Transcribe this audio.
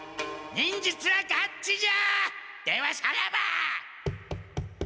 忍術はガッツじゃ！